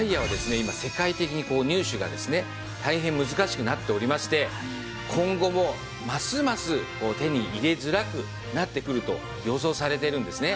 今世界的に入手が大変難しくなっておりまして今後もますます手に入れづらくなってくると予想されてるんですね。